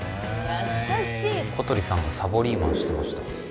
優しい小鳥さんがサボリーマンしてました